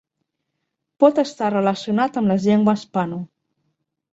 Pot estar relacionat amb les llengües pano.